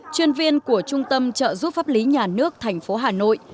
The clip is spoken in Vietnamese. chuyên viên của trung tâm trợ giúp pháp lý nhà nước thành phố hà nội